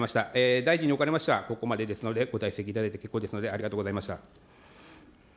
大臣におかれましてはここまでですので、ご退席いただいて結構ですので、ありがとうございました。